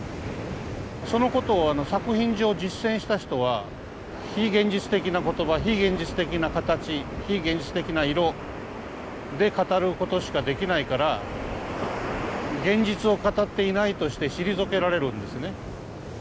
そのことを作品上実践した人は非現実的な言葉非現実的な形非現実的な色で語ることしかできないから現実を語っていないとして退けられるんですね。